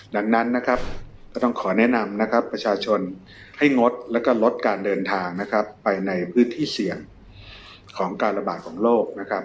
ดังนั้นต้องขอแนะนำประชาชนให้งดและลดการเดินทางไปในพื้นที่เสี่ยงของการระบาดของโลก